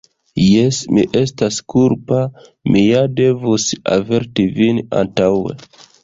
Jes, mi estas kulpa; mi ja devus averti vin antaŭe.